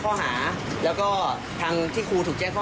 เค้าเชื่อมั่นในทีมงานธาชนนะครับ